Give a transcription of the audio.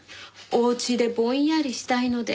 お家でぼんやりしたいので。